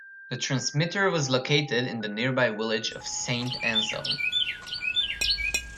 The transmitter was located in the nearby village of Saint Anselme.